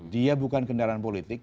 dia bukan kendaraan politik